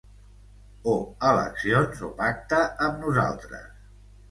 O eleccions, o pacte amb nosaltres.